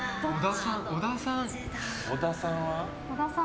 小田さんは？